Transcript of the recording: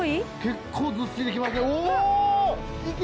結構ずっしりきますよお！